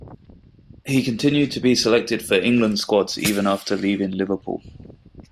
He continued to be selected for England squads even after leaving Liverpool.